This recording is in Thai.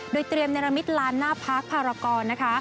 โดยเตรียมเนรมิตลานหน้าพักภารกรนะคะ